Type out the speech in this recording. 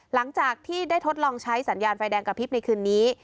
หลังจากที่ได้ทดลองใช้สัญญาณไฟแดงกระพริบในคืนนี้